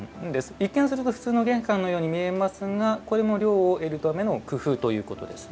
一見すると普通の玄関のように見えますがこれも涼を得るための工夫ということですね。